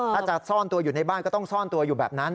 ถ้าจะซ่อนตัวอยู่ในบ้านก็ต้องซ่อนตัวอยู่แบบนั้น